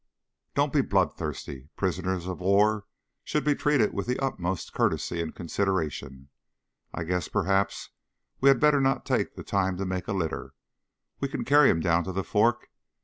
"Don't be bloodthirsty. Prisoners of war should be treated with the utmost courtesy and consideration. I guess perhaps we had better not take the time to make a litter. We can carry him down to the fork.